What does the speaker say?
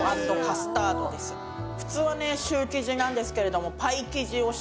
普通はねシュー生地なんですけれども。